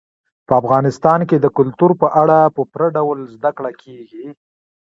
په افغانستان کې د کلتور په اړه په پوره ډول زده کړه کېږي.